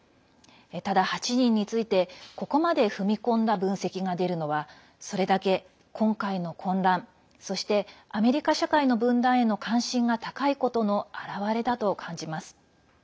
ただ８人について、ここまで踏み込んだ分析が出るのはそれだけ今回の混乱そして、アメリカ社会の分断への関心が高いことの表れだと感じます。